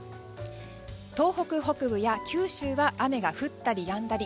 東北北部や九州は雨が降ったりやんだり。